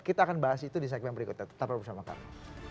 kita akan bahas itu di segmen berikutnya tetap bersama kami